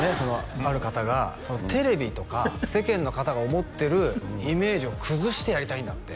ある方がテレビとか世間の方が思ってるイメージを崩してやりたいんだって